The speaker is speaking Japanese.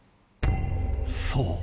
そう！